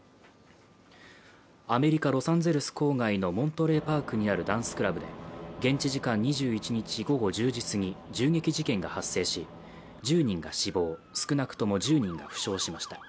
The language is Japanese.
アメリカ・ロサンゼルス郊外のモントレーパークにあるダンスクラブで現地時間２１日午後１０時すぎ、銃撃事件が発生し、１０人が死亡少なくとも１０人が負傷しました。